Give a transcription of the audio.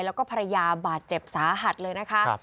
แล้วก็ภรรยาบาดเจ็บสาหัสเลยนะคะ